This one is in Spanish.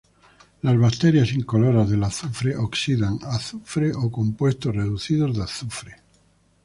Las bacterias incoloras del azufre oxidan azufre o compuestos reducidos de azufre.